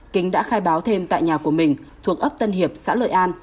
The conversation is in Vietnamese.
kính đã khai báo thêm tại nhà của mình thuộc ấp tân hiệp xã lợi an